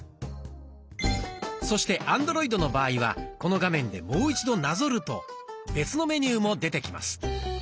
そしてアンドロイドの場合はこの画面でもう一度なぞると別のメニューも出てきます。